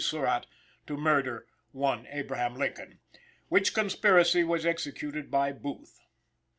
Surratt to murder "one Abraham Lincoln," which conspiracy was executed by Booth.